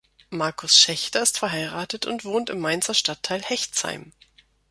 Markus Schächter ist verheiratet und wohnt im Mainzer Stadtteil Hechtsheim.